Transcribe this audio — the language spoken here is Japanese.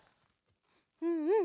うんうん。